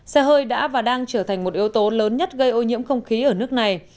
xe hơi đã và đang trở thành một yếu tố lớn nhất gây ô nhiễm không khí ở nước này